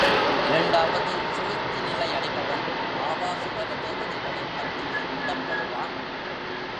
இரண்டாவது சுழுத்தி நிலை அடைபவன் ஆபாசுவர தேவதைகளின் மத்தியில் இடம்பெறுவான்.